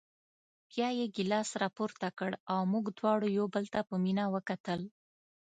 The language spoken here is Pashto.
بیا یې ګیلاس راپورته کړ او موږ دواړو یو بل ته په مینه وکتل.